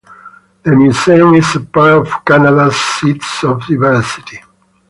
The Museum is a part of Canada's Seeds of Diversity.